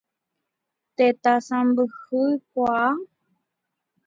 Tetã sãmbyhykuaa.